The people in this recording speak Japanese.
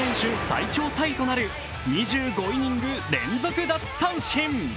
最長タイとなる２５イニング連続奪三振。